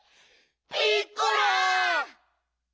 ピッコラ！